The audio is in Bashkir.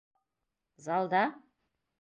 Залда?